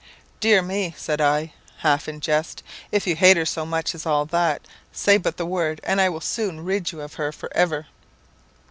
'Dear me,' said I, half in jest, 'if you hate her so much as all that, say but the word, and I will soon rid you of her for ever.'